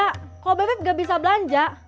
kalau bebek gak bisa belanja